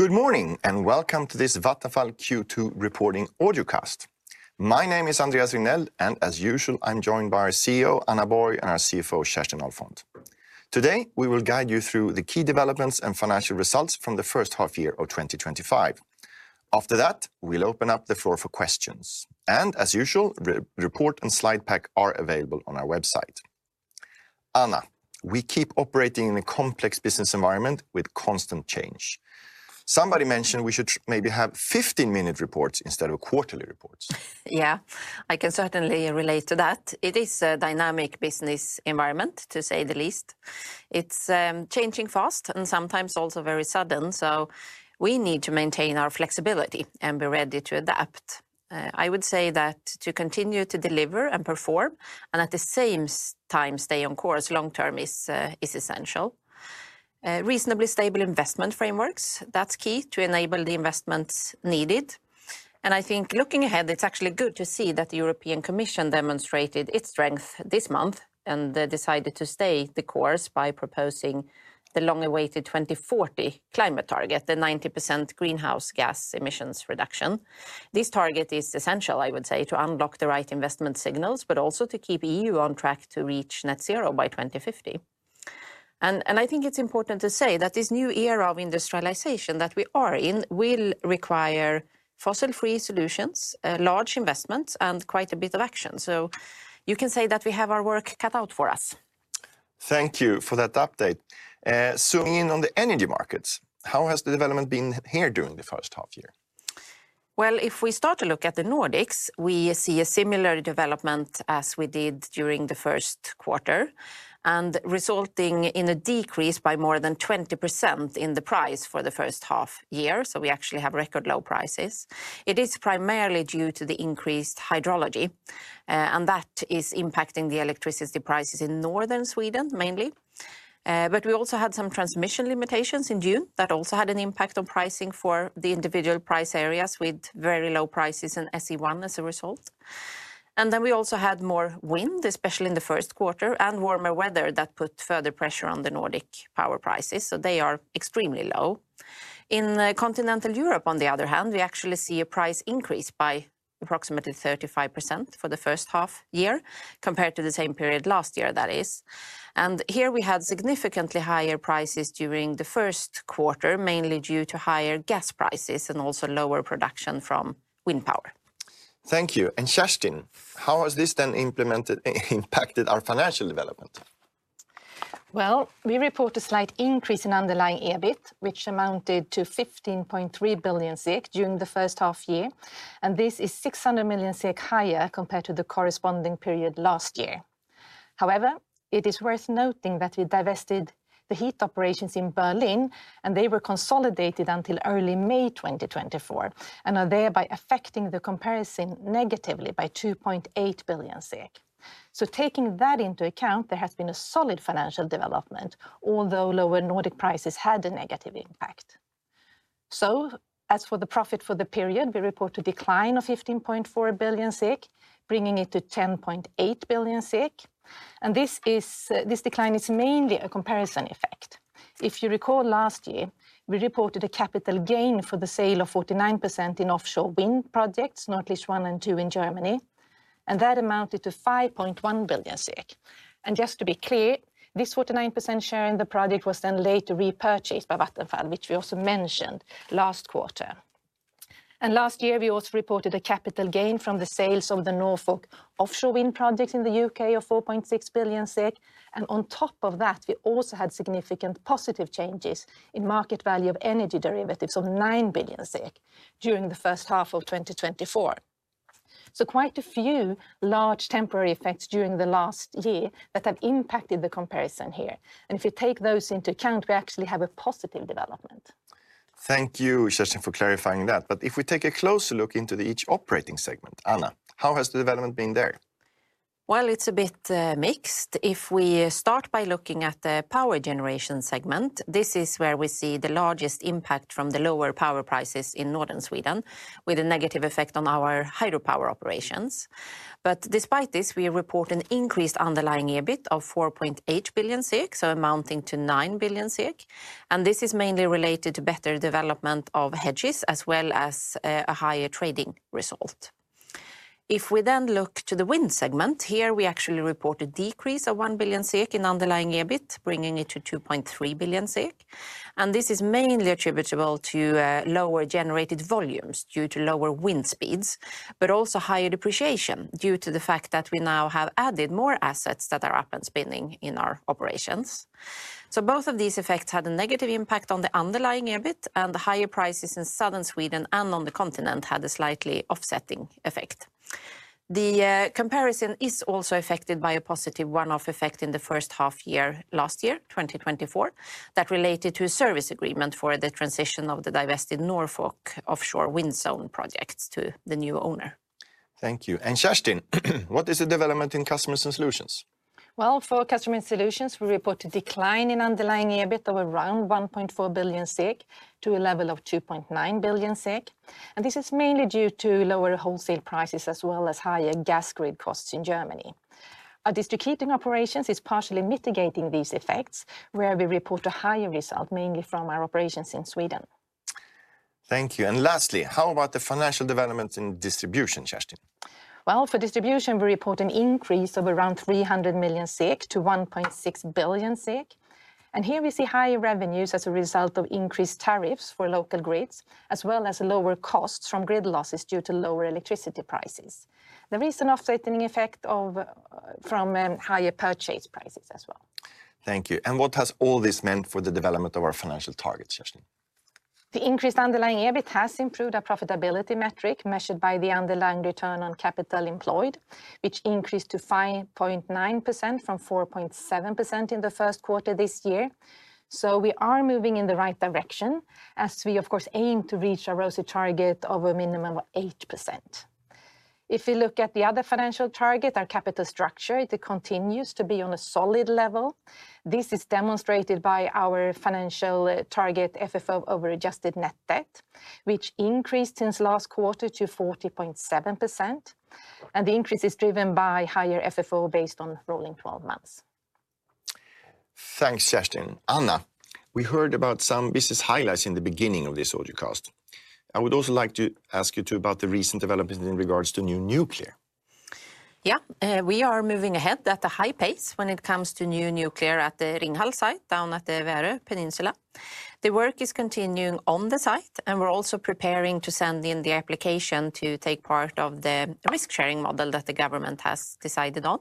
Good morning and welcome to this Vattenfall Q2 reporting audiocast. My name is Andreas Regnell, and as usual, I'm joined by our CEO, Anna Borg, and our CFO, Kerstin Ahlfont. Today, we will guide you through the key developments and financial results from the first half year of 2025. After that, we'll open up the floor for questions. As usual, the report and slide pack are available on our website. Anna, we keep operating in a complex business environment with constant change. Somebody mentioned we should maybe have 15-minute reports instead of quarterly reports. Yeah, I can certainly relate to that. It is a dynamic business environment, to say the least. It's changing fast and sometimes also very sudden, so we need to maintain our flexibility and be ready to adapt. I would say that to continue to deliver and perform, and at the same time stay on course, long term is essential. Reasonably stable investment frameworks, that's key to enable the investments needed. I think looking ahead, it's actually good to see that the European Commission demonstrated its strength this month and decided to stay the course by proposing the long-awaited 2040 climate target, the 90% greenhouse gas emissions reduction. This target is essential, I would say, to unlock the right investment signals, but also to keep the EU on track to reach net zero by 2050. I think it's important to say that this new era of industrialization that we are in will require fossil-free solutions, large investments, and quite a bit of action. You can say that we have our work cut out for us. Thank you for that update. Zooming in on the energy markets, how has the development been here during the first half year? If we start to look at the Nordics, we see a similar development as we did during the first quarter, resulting in a decrease by more than 20% in the price for the first half year. We actually have record low prices. It is primarily due to the increased hydrology, and that is impacting the electricity prices in northern Sweden mainly. We also had some transmission limitations in June. That also had an impact on pricing for the individual price areas with very low prices in SE1 as a result. We also had more wind, especially in the first quarter, and warmer weather that put further pressure on the Nordic power prices. They are extremely low. In continental Europe, on the other hand, we actually see a price increase by approximately 35% for the first half year compared to the same period last year. Here we had significantly higher prices during the first quarter, mainly due to higher gas prices and also lower production from wind power. Thank you. Kerstin, how has this then impacted our financial development? We report a slight increase in underlying EBIT, which amounted to 15.3 billion during the first half year. This is 600 million higher compared to the corresponding period last year. However, it is worth noting that we divested the heat operations in Berlin, and they were consolidated until early May 2024 and are thereby affecting the comparison negatively by 2.8 billion SEK. Taking that into account, there has been a solid financial development, although lower Nordic prices had a negative impact. As for the profit for the period, we report a decline of 15.4 billion, bringing it to 10.8 billion. This decline is mainly a comparison effect. If you recall last year, we reported a capital gain for the sale of 49% in offshore wind projects, Nordlicht 1 and Nordlicht 2 in Germany, and that amounted to 5.1 billion SEK. Just to be clear, this 49% share in the project was then later repurchased by Vattenfall, which we also mentioned last quarter. Last year, we also reported a capital gain from the sales of the Norfolk offshore wind project in the UK of 4.6 billion SEK. On top of that, we also had significant positive changes in market value of energy derivatives of 9 billion SEK during the first half of 2024. Quite a few large temporary effects during the last year have impacted the comparison here. If you take those into account, we actually have a positive development. Thank you, Kerstin, for clarifying that. If we take a closer look into each operating segment, Anna, how has the development been there? It's a bit mixed. If we start by looking at the power generation segment, this is where we see the largest impact from the lower power prices in northern Sweden, with a negative effect on our hydropower operations. Despite this, we report an increased underlying EBIT of 4.8 billion, amounting to 9 billion. This is mainly related to better development of hedges as well as a higher trading result. If we then look to the wind segment, here we actually report a decrease of 1 billion SEK in underlying EBIT, bringing it to 2.3 billion SEK. This is mainly attributable to lower generated volumes due to lower wind speeds, but also higher depreciation due to the fact that we now have added more assets that are up and spinning in our operations. Both of these effects had a negative impact on the underlying EBIT, and the higher prices in southern Sweden and on the continent had a slightly offsetting effect. The comparison is also affected by a positive one-off effect in the first half year last year, 2024, that related to a service agreement for the transition of the divested Norfolk offshore wind zone projects to the new owner. Thank you. Kerstin, what is the development in customer solutions? For customers and solutions, we report a decline in underlying EBIT of around 1.4 billion SEK to a level of 2.9 billion SEK. This is mainly due to lower wholesale prices as well as higher gas grid costs in Germany. Our distribution operations are partially mitigating these effects, where we report a higher result mainly from our operations in Sweden. Thank you. Lastly, how about the financial development in distribution, Kerstin? For distribution, we report an increase of around 300 million to 1.6 billion. Here we see higher revenues as a result of increased tariffs for local grids, as well as lower costs from grid losses due to lower electricity prices. There is an offsetting effect from higher purchase prices as well. Thank you. What has all this meant for the development of our financial targets, Kerstin? The increased underlying EBIT has improved our profitability metric measured by the underlying return on capital employed, which increased to 5.9% from 4.7% in the first quarter this year. We are moving in the right direction, as we, of course, aim to reach our ROSI target of a minimum of 8%. If we look at the other financial target, our capital structure, it continues to be on a solid level. This is demonstrated by our financial target, FFO/adjusted net debt, which increased since last quarter to 40.7%. The increase is driven by higher FFO based on rolling 12 months. Thanks, Kerstin. Anna, we heard about some business highlights in the beginning of this audiocast. I would also like to ask you about the recent developments in regards to new nuclear. Yeah, we are moving ahead at a high pace when it comes to new nuclear at the Ringhals site down at the Värö peninsula. The work is continuing on the site, and we're also preparing to send in the application to take part of the risk sharing model that the government has decided on.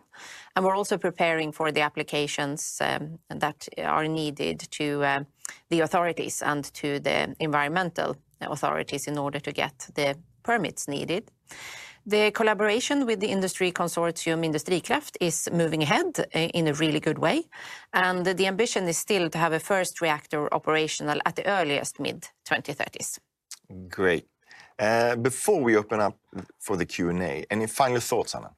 We're also preparing for the applications that are needed to the authorities and to the environmental authorities in order to get the permits needed. The collaboration with the industry consortium Industrikraft is moving ahead in a really good way. The ambition is still to have a first reactor operational at the earliest mid-2030s. Great. Before we open up for the Q&A, any final thoughts, Anna?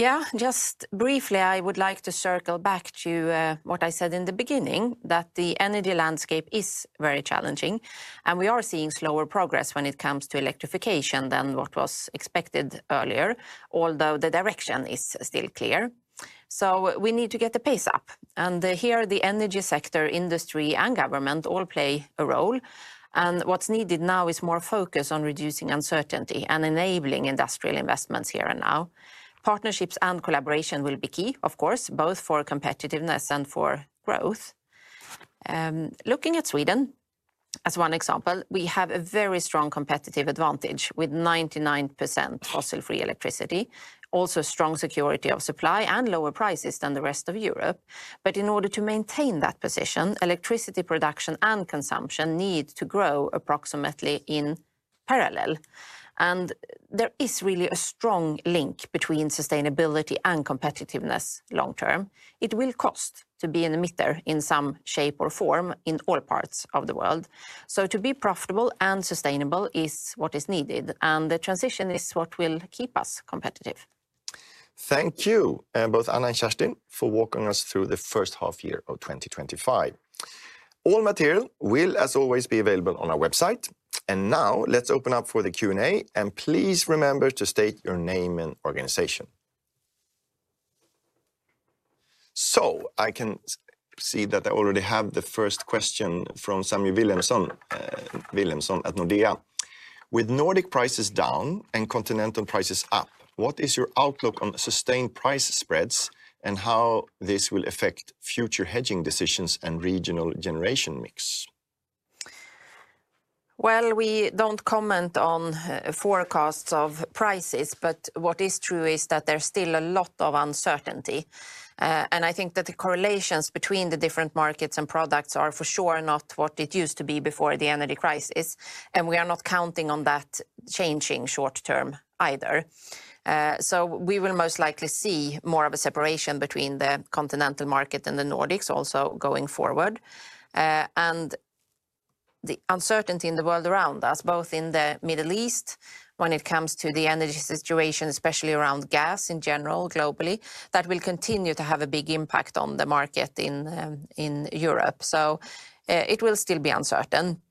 Yeah, just briefly, I would like to circle back to what I said in the beginning, that the energy landscape is very challenging. We are seeing slower progress when it comes to electrification than what was expected earlier, although the direction is still clear. We need to get the pace up. Here the energy sector, industry, and government all play a role. What's needed now is more focus on reducing uncertainty and enabling industrial investments here and now. Partnerships and collaboration will be key, of course, both for competitiveness and for growth. Looking at Sweden, as one example, we have a very strong competitive advantage with 99% fossil-free electricity, also strong security of supply and lower prices than the rest of Europe. In order to maintain that position, electricity production and consumption need to grow approximately in parallel. There is really a strong link between sustainability and competitiveness long term. It will cost to be an emitter in some shape or form in all parts of the world. To be profitable and sustainable is what is needed. The transition is what will keep us competitive. Thank you, both Anna and Kerstin, for walking us through the first half year of 2025. All material will, as always, be available on our website. Now, let's open up for the Q&A. Please remember to state your name and organization. I can see that I already have the first question from Samu Williamson at Nordea. With Nordic prices down and continental prices up, what is your outlook on sustained price spreads and how this will affect future hedging decisions and regional generation mix? We do not comment on forecasts of prices, but what is true is that there's still a lot of uncertainty. I think that the correlations between the different markets and products are for sure not what it used to be before the energy crisis. We are not counting on that changing short term either. We will most likely see more of a separation between the continental market and the Nordics also going forward. The uncertainty in the world around us, both in the Middle East, when it comes to the energy situation, especially around gas in general, globally, will continue to have a big impact on the market in Europe. It will still be uncertain.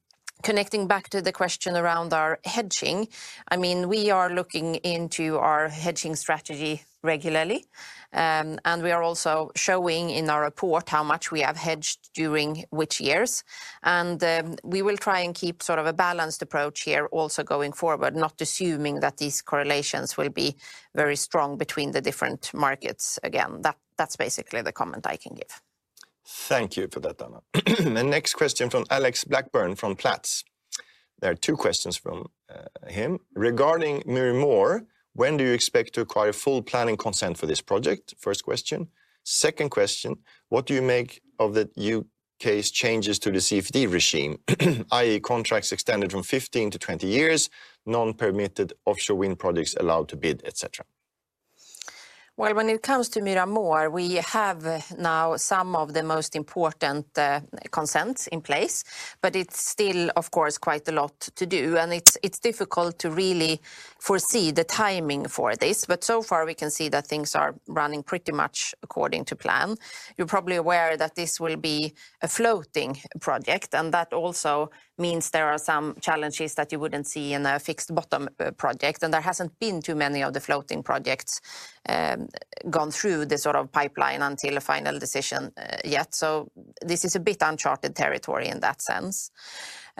Connecting back to the question around our hedging, we are looking into our hedging strategy regularly. We are also showing in our report how much we have hedged during which years. We will try and keep sort of a balanced approach here also going forward, not assuming that these correlations will be very strong between the different markets again. That's basically the comment I can give. Thank you for that, Anna. The next question from Alex Blackburn from Platz. There are two questions from him. Regarding Murmur, when do you expect to acquire full planning consent for this project? First question. Second question. What do you make of the UK's changes to the CFD regime, i.e., contracts extended from 15 to 20 years, non-permitted offshore wind projects allowed to bid, etc.? When it comes to Murmur, we have now some of the most important consents in place. It is still, of course, quite a lot to do, and it's difficult to really foresee the timing for this. So far, we can see that things are running pretty much according to plan. You're probably aware that this will be a floating project, and that also means there are some challenges that you wouldn't see in a fixed bottom project. There haven't been too many of the floating projects gone through this sort of pipeline until a final decision yet. This is a bit uncharted territory in that sense.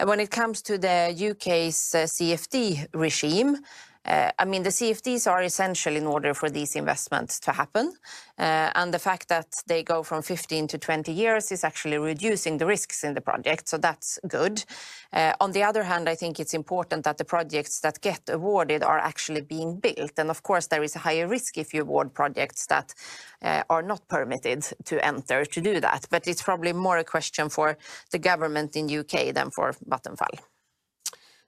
When it comes to the UK's CFD regime, the CFDs are essential in order for these investments to happen. The fact that they go from 15 to 20 years is actually reducing the risks in the project, which is good. On the other hand, I think it's important that the projects that get awarded are actually being built. There is a higher risk if you award projects that are not permitted to enter to do that. It is probably more a question for the government in the UK than for Vattenfall.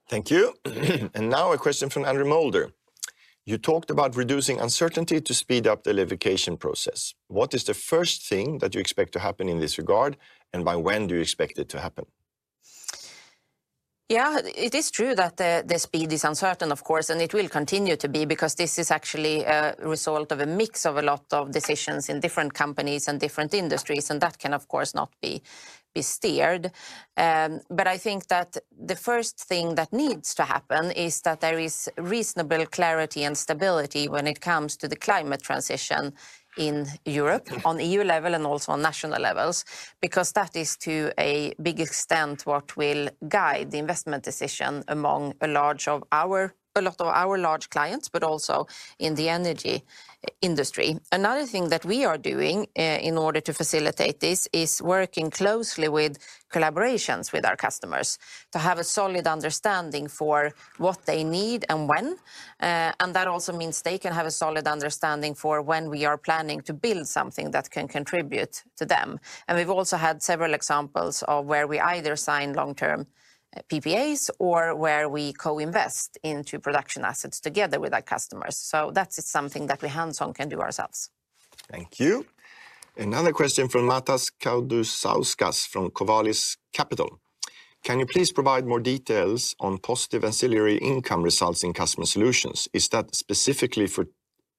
Thank you. A question from Andrew Molder. You talked about reducing uncertainty to speed up the location process. What is the first thing that you expect to happen in this regard? By when do you expect it to happen? Yeah, it is true that the speed is uncertain, of course, and it will continue to be because this is actually a result of a mix of a lot of decisions in different companies and different industries. That can, of course, not be steered. I think that the first thing that needs to happen is that there is reasonable clarity and stability when it comes to the climate transition in Europe on EU level and also on national levels, because that is to a big extent what will guide the investment decision among a lot of our large clients, but also in the energy industry. Another thing that we are doing in order to facilitate this is working closely with collaborations with our customers to have a solid understanding for what they need and when. That also means they can have a solid understanding for when we are planning to build something that can contribute to them. We've also had several examples of where we either sign long-term PPAs or where we co-invest into production assets together with our customers. That is something that we hands-on can do ourselves. Thank you. Another question from Matas Kaudus-Sauskas from Kovalis Capital. Can you please provide more details on positive ancillary income results in customer solutions? Is that specifically for the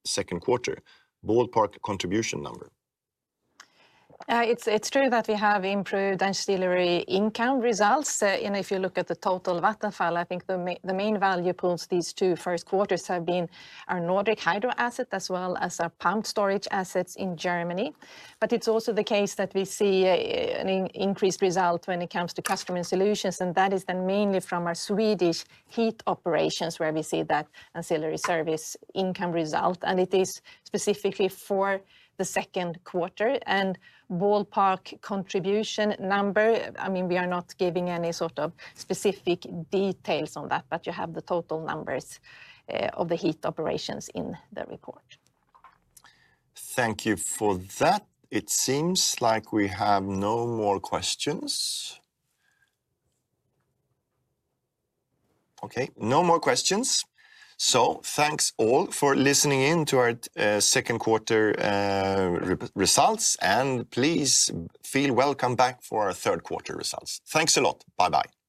second quarter ballpark contribution number? It's true that we have improved ancillary income results. If you look at the total Vattenfall, I think the main value pools these two first quarters have been our Nordic hydro assets, as well as our pump storage assets in Germany. It is also the case that we see an increased result when it comes to customer solutions. That is then mainly from our Swedish heat operations, where we see that ancillary service income result. It is specifically for the second quarter. Ballpark contribution number, I mean, we are not giving any sort of specific details on that, but you have the total numbers of the heat operations in the report. Thank you for that. It seems like we have no more questions. OK, no more questions. Thanks all for listening in to our second quarter results. Please feel welcome back for our third quarter results. Thanks a lot. Bye-bye.